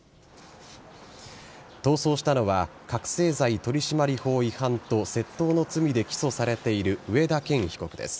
逃走したのは覚醒剤取締法と窃盗の罪で起訴されている上田健被告です。